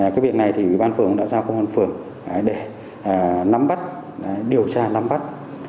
cái việc này thì bán phường đã giao công an phường để nắm bắt điều tra nắm bắt